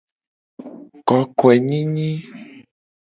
Kokoenyinyi.